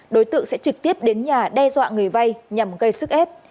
đối tượng sẽ trực tiếp đến nhà đe dọa người vay nhằm gây sức ép